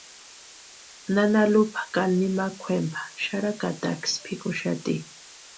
Nana Lupa ka nimawka jempa xarakataksï pʼikuxati.